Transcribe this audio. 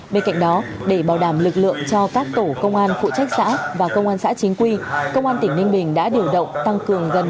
bên cạnh đó để bảo đảm lực lượng cho các tổ công an phụ trách xã và công an xã chính quy công an tỉnh ninh bình đã điều động tăng cường gần